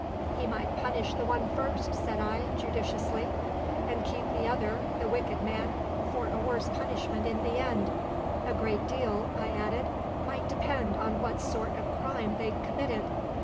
"He might punish the one first," said I, judicially, "and keep the other the wicked man for a worse punishment in the end. A great deal," I added, "might depend on what sort of crime they'd committed.